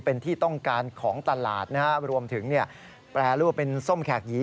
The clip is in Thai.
เป็นที่ต้องการของตลาดนะฮะรวมถึงแปรรูปเป็นส้มแขกหี